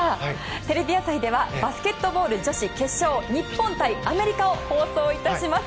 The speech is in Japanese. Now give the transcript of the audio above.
テレビ朝日ではバスケットボール女子決勝日本対アメリカを放送致します。